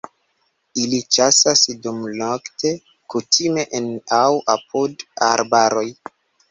Ili ĉasas dumnokte, kutime en aŭ apud arbaroj.